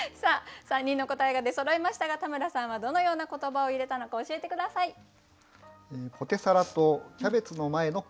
３人の答えが出そろいましたが田村さんはどのような言葉を入れたのか教えて下さい。